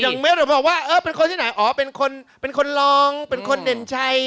ยังไม่รู้ว่าเป็นคนที่ไหนเป็นคนร้องเป็นคนเด่นใจ